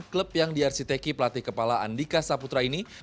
klub yang diarsiteki pelatih kepala andika saputra ini